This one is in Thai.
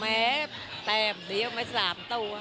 ๖๕๙แม้แปมเดี๋ยวไหม๓ตัว